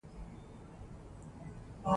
زه هره اونۍ په سړو اوبو کې لمبېږم.